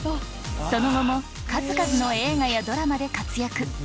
その後も数々の映画やドラマで活躍